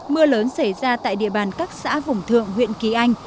mưa lớn xảy ra tại địa bàn các xã vùng thượng huyện kỳ anh